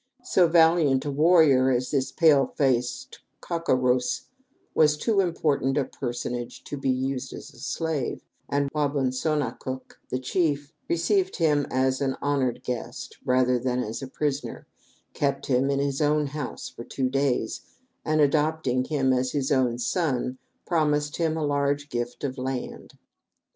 So valiant a warrior as this pale faced cau co rouse was too important a personage to be used as a slave, and Wa bun so na cook, the chief, received him as an honored guest(1) rather than as a prisoner, kept him in his own house for two days, and adopting him as his own son, promised him a large gift of land.